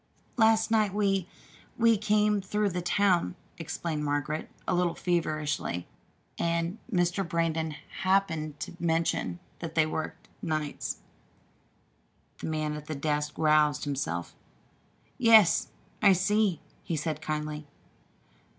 "Last night we we came through the town," explained Margaret, a little feverishly; "and Mr. Brandon happened to mention that they worked nights." The man at the desk roused himself. "Yes, I see," he said kindly.